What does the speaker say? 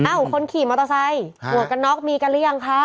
คนขี่มอเตอร์ไซค์หมวกกันน็อกมีกันหรือยังคะ